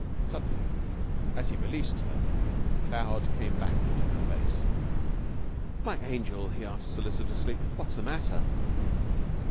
Suddenly, as he released her, the cloud came back into her face. "My angel," he asked solicitously, "what's the matter?"